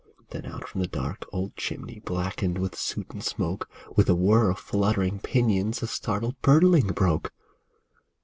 Then out from the dark, old chimney^ Blackened with soot and smoke, With a whir of fluttering pinions A startled birdling broke.